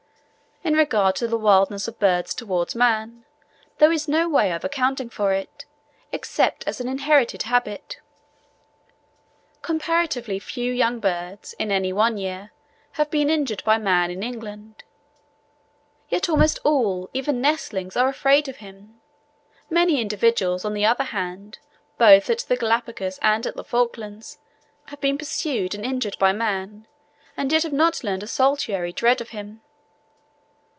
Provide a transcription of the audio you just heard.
In regard to the wildness of birds towards man, there is no way of accounting for it, except as an inherited habit: comparatively few young birds, in any one year, have been injured by man in England, yet almost all, even nestlings, are afraid of him; many individuals, on the other hand, both at the Galapagos and at the Falklands, have been pursued and injured by man, yet have not learned a salutary dread of him.